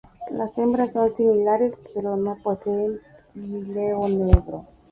Las hembras son similares, pero no poseen píleo negro.